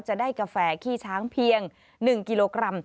จะได้กาแฟขี้ช้างเพียง๑กิโลกรัม